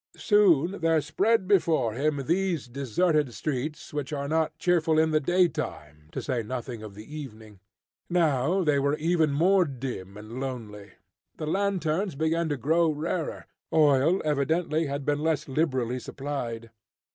Soon there spread before him these deserted streets which are not cheerful in the daytime, to say nothing of the evening. Now they were even more dim and lonely. The lanterns began to grow rarer, oil, evidently, had been less liberally supplied.